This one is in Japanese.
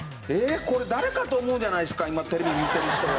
これ誰かと思うじゃないですか今テレビ見てる人は。